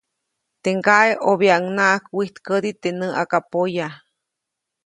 Teʼ ŋgaʼe ʼobyaʼuŋnaʼajk wijtkädi teʼ näʼakpoya.